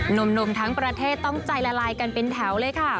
หนุ่มทั้งประเทศต้องใจละลายกันเป็นแถวเลยค่ะ